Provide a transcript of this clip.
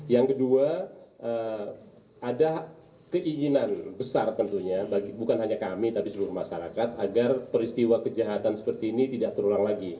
yang kedua ada keinginan besar tentunya bukan hanya kami tapi seluruh masyarakat agar peristiwa kejahatan seperti ini tidak terulang lagi